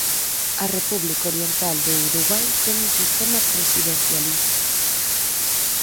A República Oriental do Uruguai ten un sistema presidencialista.